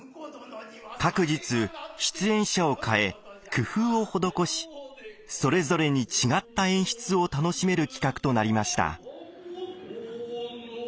各日出演者を替え工夫を施しそれぞれに違った演出を楽しめる企画となりました。